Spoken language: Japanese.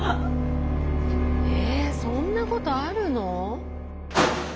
えそんなことあるの？